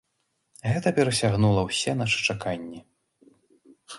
Гэта перасягнула ўсе нашы чаканні.